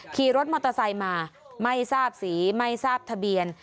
ขี่รถมอเตอร์ไซค์มาไม่ทราบสีไม่ทราบทะเบียน